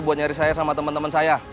buat nyari saya sama teman teman saya